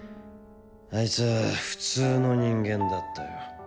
あいつは普通の人間だったよ